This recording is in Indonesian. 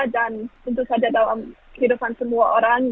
dan tentu saja dalam kehidupan semua orang